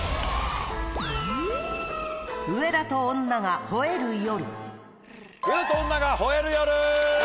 『上田と女が吠える夜』！